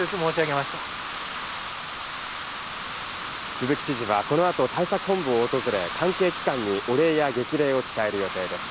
鈴木知事はこの後、対策本部を訪れ、関係機関にお礼や激励を伝える予定です。